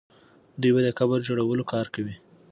دوی به د قبر د جوړولو کار کوي.